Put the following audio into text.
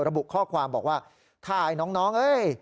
ระบุข้อความบอกว่าถ่ายน้องเอ้ย